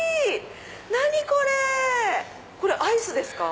何これ⁉これアイスですか？